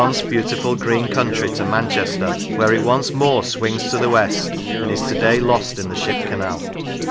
The Rivers beautiful green country to Manchester, where it once more swings to the west and is to day lost in the Ship Canal